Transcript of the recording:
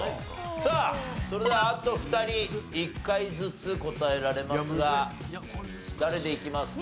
さあそれではあと２人１回ずつ答えられますが誰でいきますか？